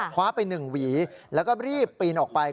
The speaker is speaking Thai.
คว้าไป๑หวีแล้วก็รีบปีนออกไป